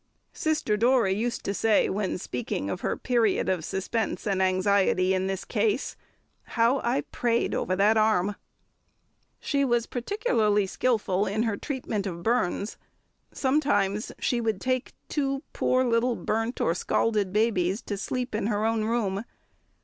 Sister Dora used to say when speaking of her period of suspense and anxiety in this case, "How I prayed over that arm!" She was particularly skilful in her treatment of burns; sometimes she would take two poor little burnt or scalded babies to sleep in her own room.